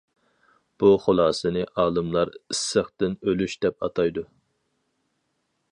بۇ خۇلاسىنى ئالىملار ئىسسىقتىن ئۆلۈش دەپ ئاتايدۇ.